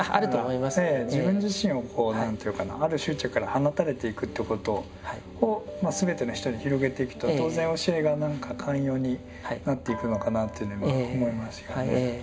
自分自身をこう何というかなある執着から放たれていくということをすべての人に広げていくと当然教えが何か寛容になっていくのかなというのは今思いますよね。